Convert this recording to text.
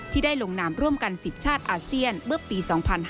ที่ได้ลงนามร่วมกัน๑๐ชาติอาเซียนเมื่อปี๒๕๕๙